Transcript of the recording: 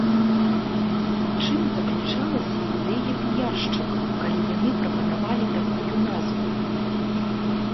У чым заключалася ідэя піяршчыкаў, калі яны прапанавалі такую назву?